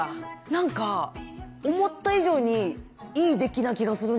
なんか思った以上にいい出来な気がするんですけど。